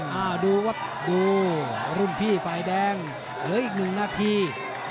หรือว่าผู้สุดท้ายมีสิงคลอยวิทยาหมูสะพานใหม่